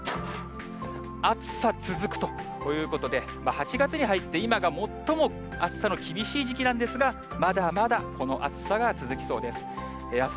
暑さ続くということで、８月に入って、今が最も暑さの厳しい時期なんですが、まだまだこの暑さが続きそうです。